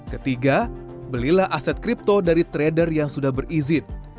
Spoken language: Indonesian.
ketiga belilah aset kripto dari trader yang sudah berizin